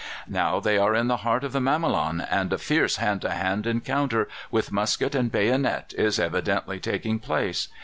Now they are in the heart of the Mamelon, and a fierce hand to hand encounter, with musket and bayonet, is evidently taking place.